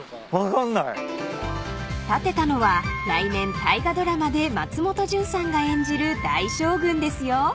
［建てたのは来年大河ドラマで松本潤さんが演じる大将軍ですよ］